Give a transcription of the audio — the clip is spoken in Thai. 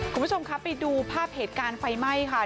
คุณผู้ชมครับไปดูภาพเหตุการณ์ไฟไหม้ค่ะ